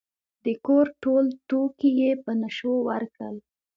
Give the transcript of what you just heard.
د کور ټول توکي یې په نشو ورکړل.